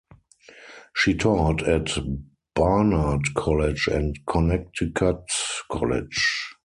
She taught at Barnard College and Connecticut College.